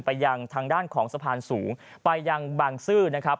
ไปยังทางด้านของสะพานสูงไปยังบางซื่อนะครับ